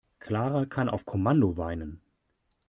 Clara kann auf Kommando weinen.